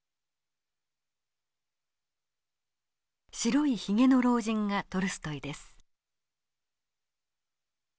白い髭の老人がトルストイです。